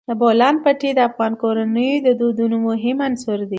د بولان پټي د افغان کورنیو د دودونو مهم عنصر دی.